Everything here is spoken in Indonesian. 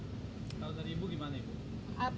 kalau dari ibu gimana ibu